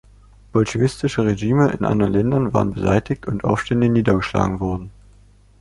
Bolschewistische Regimes in anderen Ländern waren beseitigt und Aufstände niedergeschlagen worden.